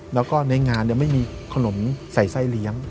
แล้วก็ในงานไม่มีขนมใส่ไส้เลี้ยง